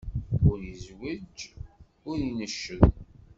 Ur izewweǧ, ur inecced.